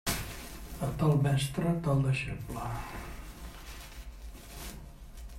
A tal mestre, tal deixeble.